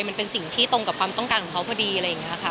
มันเป็นสิ่งที่ตรงกับความต้องการของเขาพอดีอะไรอย่างนี้ค่ะ